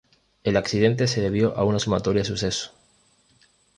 El accidente se debió a una sumatoria de sucesos.